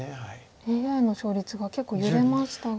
ＡＩの勝率が結構揺れましたが。